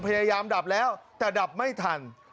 พยายามดับแล้วแต่ดับไม่ทัน